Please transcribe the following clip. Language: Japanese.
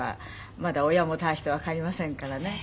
まだ親も大してわかりませんからね。